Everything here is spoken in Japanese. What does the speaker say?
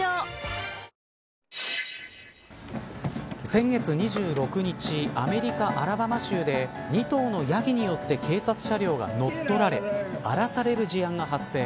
先月２６日アメリカのアラバマ州で２頭のヤギによって警察車両が乗っ取られ荒らされる事案が発生。